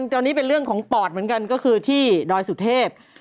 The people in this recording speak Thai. ตอนนี้เป็นเรื่องของปอดเหมือนกันก็คือที่ดอยสุเทพ